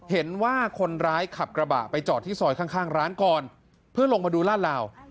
เห็นว่าคนร้ายขับกระบะไปจอดที่ซอยข้างร้านก่อนเพื่อลงมาดูลาดลาว